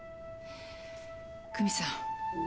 久実さん